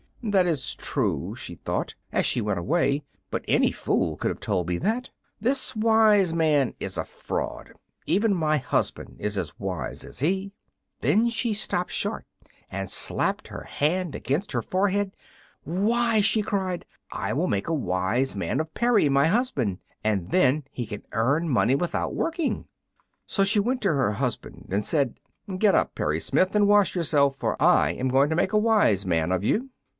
"That is true," she thought, as she went away; "but any fool could have told me that. This wise man is a fraud; even my husband is as wise as he." Then she stopped short and slapped her hand against her forehead. "Why," she cried, "I will make a Wise Man of Perry, my husband, and then he can earn money without working!" So she went to her husband and said, "Get up, Perry Smith, and wash yourself; for I am going to make a Wise Man of you."